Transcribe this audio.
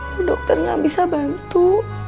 bu dokter gak bisa bantu